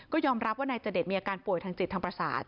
ก็ยอมรับว่านายจเดชมีอาการป่วยทางจิตทางประสาท